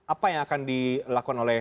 apa yang akan dilakukan oleh